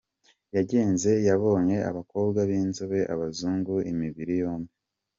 yagenze, yabonye abakobwa b’inzobe, abazungu, imibiri yombi